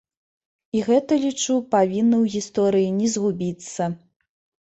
І гэта, лічу, павінна ў гісторыі не згубіцца.